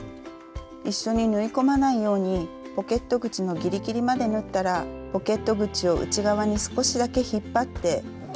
一緒に縫い込まないようにポケット口のギリギリまで縫ったらポケット口を内側に少しだけ引っ張って前身ごろと後ろ身ごろだけを縫うようにしましょう。